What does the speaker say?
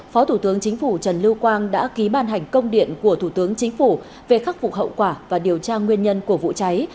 phó thủ tướng chính phủ trần lưu quang đã ký ban hành công điện của thủ tướng chính phủ về khắc phục hậu quả và điều tra nguyên nhân của vụ cháy